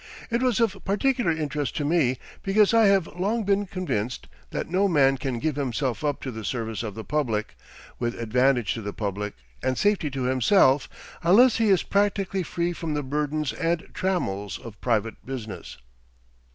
It was of particular interest to me, because I have long been convinced that no man can give himself up to the service of the public, with advantage to the public, and safety to himself, unless he is practically free from the burdens and trammels of private business.